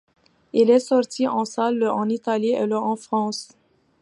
Il est sorti en salles le en Italie et le en France.